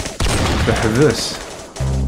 Teḥbes.